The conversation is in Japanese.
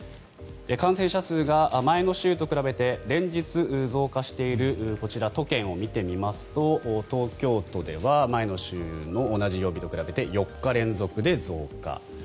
感染者数が前の週と比べて連日増加しているこちら、都県を見てみますと東京都では前の週の同じ曜日と比べて４日連続で増加。